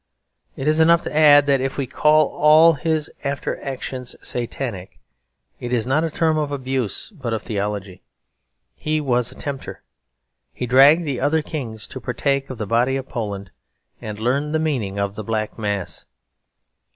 It is enough to add that if we call all his after actions satanic, it is not a term of abuse, but of theology. He was a Tempter. He dragged the other kings to "partake of the body of Poland," and learn the meaning of the Black Mass.